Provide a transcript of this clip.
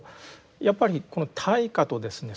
やっぱりこの対価とですね